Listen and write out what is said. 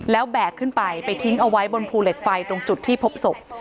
แล้วแบกขึ้นไปไปทิ้งเอาไว้บนภูเหล็กไฟตรงจุดที่พบศพ